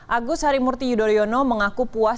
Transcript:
agus harimurti yudhoyono mengaku puas